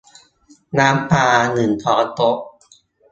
น้ำปลา หนึ่งช้อนโต๊ะ